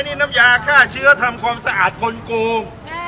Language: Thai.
นี่น้ำยาฆ่าเชื้อทำความสะอาดคนโกง